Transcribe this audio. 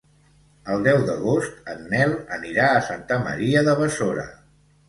El deu d'agost en Nel anirà a Santa Maria de Besora.